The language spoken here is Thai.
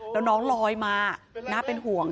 แล้วน้องลอยมาน่าเป็นห่วง